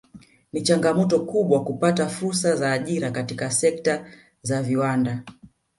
Ni changamoto kubwa kupata fursa za ajira katika sekta za viwanda